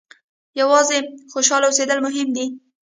یوازې خوشاله اوسېدل مهم دي.